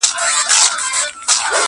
که هر څو یې کړېدی پلار له دردونو،